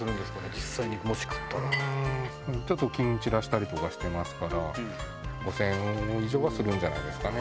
ちょっと金散らしたりとかしてますから５０００円以上はするんじゃないですかね。